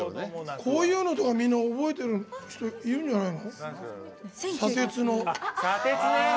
こういうのみんな覚えてる人いるんじゃないの？